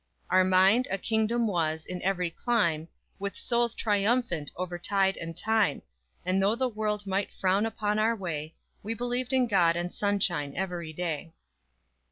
_Our mind, a kingdom was, in every clime, With souls triumphant over tide and time; And though the world might frown upon our way We believed in God and sunshine every day!